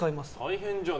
大変じゃん。